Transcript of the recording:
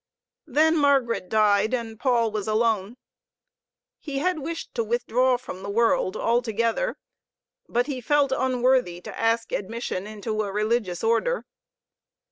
Then Margaret died, and Paul was alone. He had wished to withdraw from the world altogether. But he felt unworthy to ask admission into a religious order.